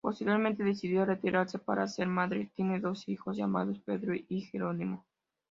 Posteriormente decidió retirarse para ser madre, tiene dos hijos llamados Pedro y Jerónimo.